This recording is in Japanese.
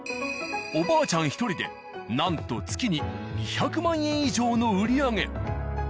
おばあちゃん１人でなんと月に２００万円以上の売り上げ！